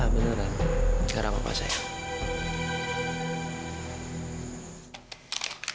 beneran gak ada apa apa sayang